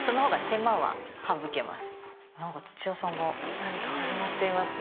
何か始まっていますね。